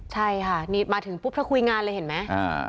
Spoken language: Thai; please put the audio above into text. ใช่ค่ะนี่มาถึงปุ๊บเธอคุยงานเลยเห็นไหม